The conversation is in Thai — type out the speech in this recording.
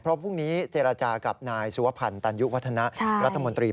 เพราะพรุ่งนี้เจรจากับนายสุวพันธ์ตันยุวัฒนะรัฐมนตรี